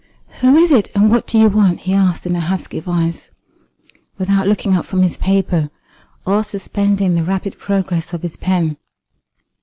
"Who is it? and what do you want?" he asked in a husky voice, without looking up from his paper or suspending the rapid progress of his pen.